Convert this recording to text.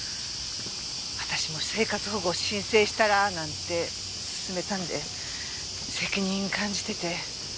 私も生活保護申請したら？なんて勧めたので責任感じてて。